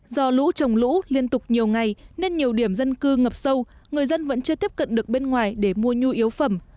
do lũ trồng lũ liên tục nhiều ngày nên nhiều điểm dân cư ngập sâu người dân vẫn chưa tiếp cận được bên ngoài để mua nhu yếu phẩm